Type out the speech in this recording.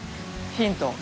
ヒント。